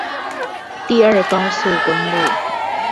第二高速公路